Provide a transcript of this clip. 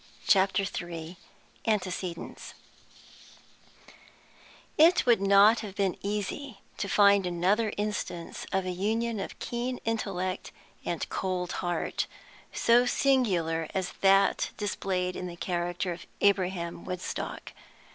CHAPTER III ANTECEDENTS It would not have been easy to find another instance of a union of keen intellect and cold heart so singular as that displayed in the character of Abraham Woodstock.